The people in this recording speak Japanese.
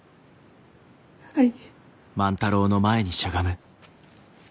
はい。